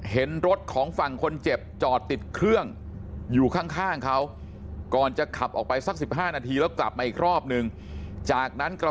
เห็นรถของฝั่งคนเจ็บจอดติดเครื่องอยู่ข้างเขา